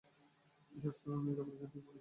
বিশ্বাস করুন, উনি যা বলছেন ঠিকই বলছেন।